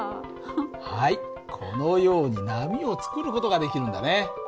はいこのように波を作る事ができるんだね。